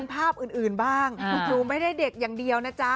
ผมไม่ได้เด็กอย่างเดียวนะจ๊ะ